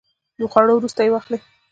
د خوړو وروسته یی واخلئ